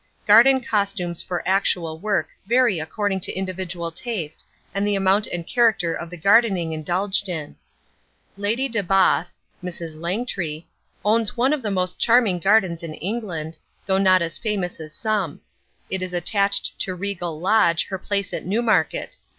Garden costumes for actual work vary according to individual taste and the amount and character of the gardening indulged in. Lady de Bathe (Mrs. Langtry) owns one of the most charming gardens in England, though not as famous as some. It is attached to Regal Lodge, her place at Newmarket.